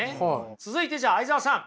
続いてじゃあ相澤さん。